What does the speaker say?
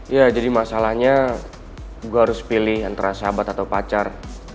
ya jadi masalahnya gue harus pilih antara sahabat atau pacar